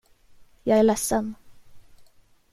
Jag är ledsen.